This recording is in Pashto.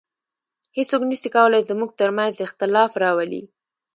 هیڅوک نسي کولای زموږ تر منځ اختلاف راولي